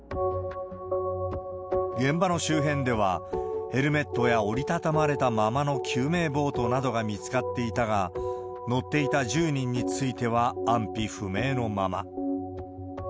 現場の周辺では、ヘルメットや折り畳まれたままの救命ボートなどが見つかっていたが、乗っていた１０人については安否不明のまま。